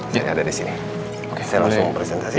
yang ada di sini saya langsung presentasi